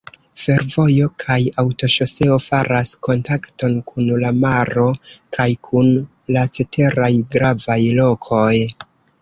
Fervojo kaj aŭtoŝoseo faras kontakton kun la maro kaj kun la ceteraj gravaj lokoj.